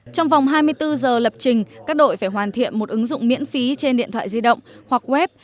trong vòng hai mươi bốn giờ lập trình các đội phải hoàn thiện một ứng dụng miễn phí trên điện thoại di động hoặc web